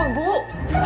aduh ibu bangun